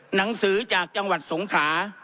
หนังสือจากจังหวัดสงขลา